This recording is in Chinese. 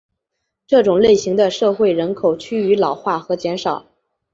这种类型的社会人口趋于老化和减少。